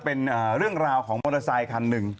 เป็นเรื่องราวของมอเตอร์ไซคันหนึ่ง